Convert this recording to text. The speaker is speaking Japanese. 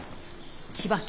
千葉県。